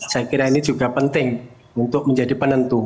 saya kira ini juga penting untuk menjadi penentu